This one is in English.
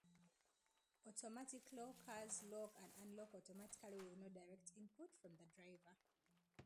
Automatic lockers lock and unlock automatically with no direct input from the driver.